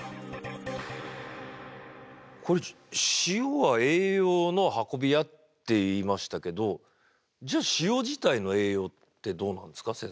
これ塩は栄養の運び屋って言いましたけどじゃあ塩自体の栄養ってどうなんですか？